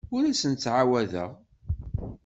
Ur asen-ttɛawadeɣ.